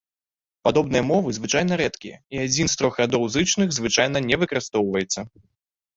Падобныя мовы звычайна рэдкія, і адзін з трох радоў зычных звычайна не выкарыстоўваецца.